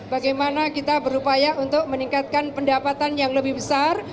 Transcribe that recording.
bagaimana kita berupaya untuk meningkatkan pendapatan yang lebih besar